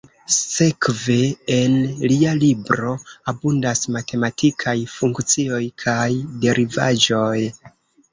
Sekve, en lia libro abundas matematikaj funkcioj kaj derivaĵoj.